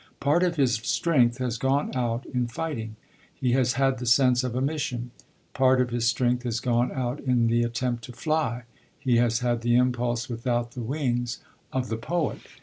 Part of his strength has gone out in fighting: he has had the sense of a mission. Part of his strength has gone out in the attempt to fly: he has had the impulse, without the wings, of the poet.